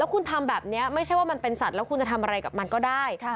คุณทำแบบนี้ไม่ใช่ว่ามันเป็นสัตว์แล้วคุณจะทำอะไรกับมันก็ได้